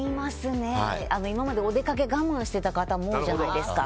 今までお出かけ我慢していた方も多いじゃないですか。